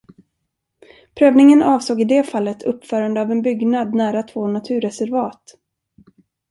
Prövningen avsåg i det fallet uppförande av en byggnad nära två naturreservat.